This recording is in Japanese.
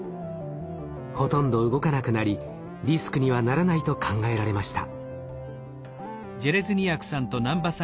ほとんど動かなくなりリスクにはならないと考えられました。